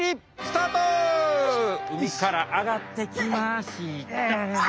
海からあがってきました。